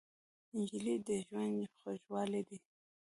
نجلۍ د ژوند خوږوالی دی.